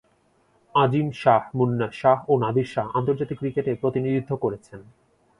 আজিম শাহ্, মুন্না শাহ্ ও নাদির শাহ আন্তর্জাতিক ক্রিকেটে প্রতিনিধিত্ব করেছেন।